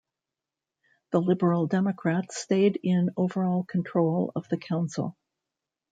The Liberal Democrats stayed in overall control of the council.